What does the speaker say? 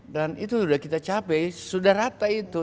dan itu sudah kita capai sudah rata itu